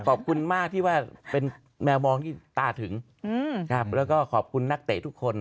ขอบคุณมากที่ว่าเป็นแมวมองที่ตาถึงครับแล้วก็ขอบคุณนักเตะทุกคน